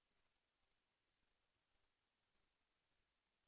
แล้วกรมกรรมก็คือเหมือนบทมันมาเสร็จหมดแล้ว